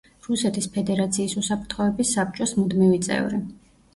რუსეთის ფედერაციის უსაფრთხოების საბჭოს მუდმივი წევრი.